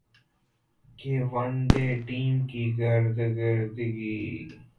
کہ one day team کی کارکردگی